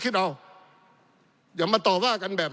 ปี๑เกณฑ์ทหารแสน๒